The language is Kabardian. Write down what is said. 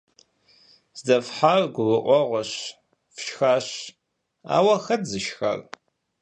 Здэфхьар гурыӀуэгъуэщ – фшхащ, ауэ хэт зышхар?